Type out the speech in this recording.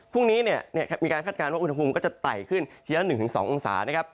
พรุ่งนี้เนี่ยมีการคาดการณ์ว่าอุณหภูมิก็จะไต่ขึ้นทีละ๑๒องศานะครับ